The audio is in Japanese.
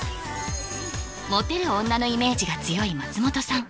モテる女のイメージが強い松本さん